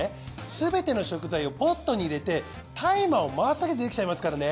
すべての食材をポットに入れてタイマーを回すだけでできちゃいますからね。